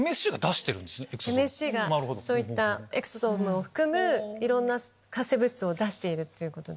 ＭＳＣがそういったエクソソームを含むいろんな活性物質を出しているということで。